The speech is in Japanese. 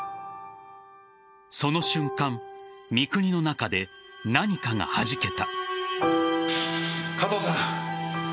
その瞬間三國の中で何かがはじけた。